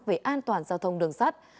về an toàn giao thông đường sắt